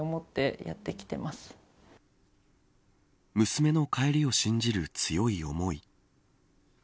娘の帰りを信じる強い思い。